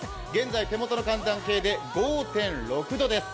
現在、手元の寒暖計で５．６度です。